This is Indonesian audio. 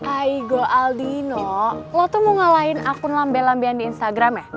aigo aldino lo tuh mau ngalahin akun lambe lambean di instagram ya